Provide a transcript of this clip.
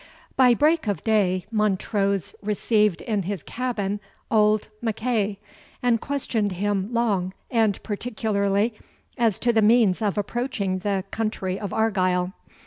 By break of day Montrose received in his cabin old MacEagh, and questioned him long and particularly as to the means of approaching the country of Argyle.